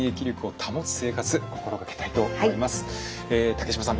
竹島さん